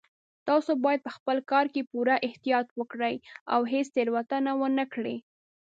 تاسو باید په خپل کار کې پوره احتیاط وکړئ او هیڅ تېروتنه ونه کړئ